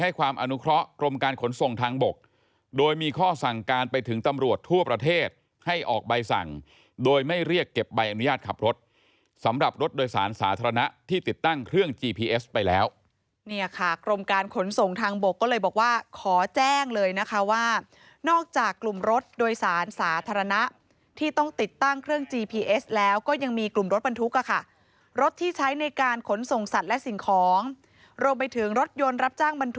หากไม่รูดใบขับขี่มันจะมีเสียงติ๊บ